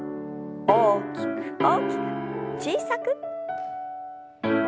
大きく大きく小さく。